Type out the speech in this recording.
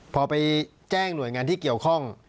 พอไปแจ้งหน่วยงานที่เกี่ยวข้อง